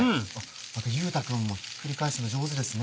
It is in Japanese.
あと結太くんもひっくり返すの上手ですね。